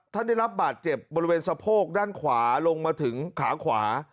ท่านได้รับบาดเจ็บบริเวณสะโพกด้านขวาลงมาถึงขาขวา